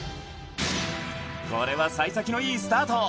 これは幸先のいいスタート